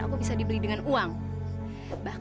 yaudah usah rawat lagi menumang leh